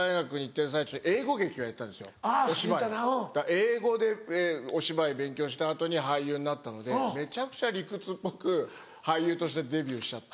英語でお芝居勉強した後に俳優になったのでめちゃくちゃ理屈っぽく俳優としてデビューしちゃって。